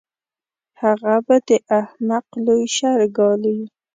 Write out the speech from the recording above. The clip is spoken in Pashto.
هغه به د احمق لوی شر ګالي.